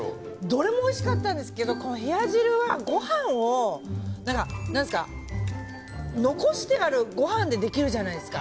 どれもおいしかったんですけど冷や汁は残してあるご飯でできるじゃないですか。